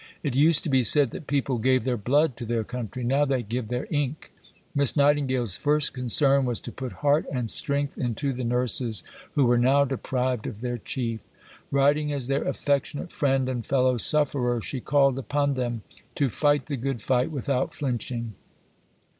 It used to be said that people gave their blood to their country. Now they give their ink." Miss Nightingale's first concern was to put heart and strength into the nurses who were now deprived of their Chief. Writing as their "affectionate friend and fellow sufferer," she called upon them to fight the good fight without flinching.